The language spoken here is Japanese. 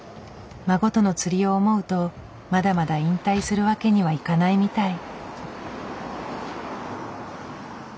孫との釣りを思うとまだまだ引退するわけにはいかないみたい。